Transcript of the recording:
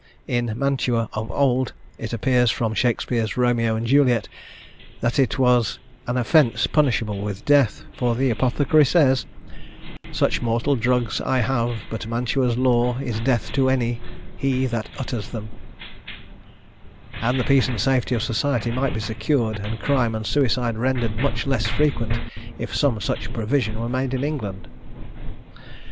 In Mantua of old, it appears from Shakspeare's Romeo and Juliet, that it was an offence punishable with death, for the Apothecary says, "Such mortal drugs I have, but Mantua's law Is death to any he that utters them;" and the peace and safety of society might be secured, and crime and suicide rendered much less frequent, if some such provision were made in England.